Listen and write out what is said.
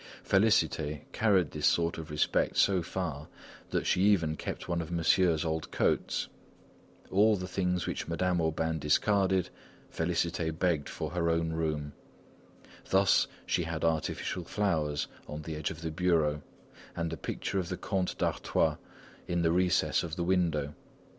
Félicité carried this sort of respect so far that she even kept one of Monsieur's old coats. All the things which Madame Aubain discarded, Félicité begged for her own room. Thus, she had artificial flowers on the edge of the bureau, and the picture of the Comte d'Artois in the recess of the window.